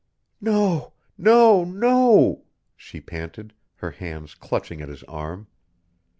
"No no no " she panted, her hands clutching at his arm.